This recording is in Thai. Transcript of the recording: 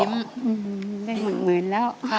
ได้หนึ่งหมื่นแล้ว